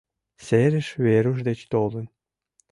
Серыш Веруш деч толын.